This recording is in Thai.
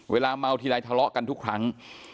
เวลาเมาทีไรทะเลาะกันทุกครั้ง